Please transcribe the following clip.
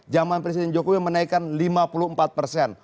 zaman presiden jokowi menaikkan lima puluh empat persen